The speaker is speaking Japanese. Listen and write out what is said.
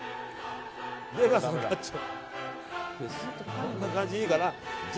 こんな感じでいいかな。